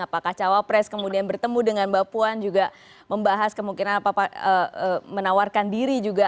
apakah cawapres kemudian bertemu dengan mbak puan juga membahas kemungkinan menawarkan diri juga